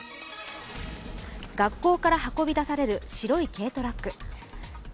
学校から運び出される白い軽トラック。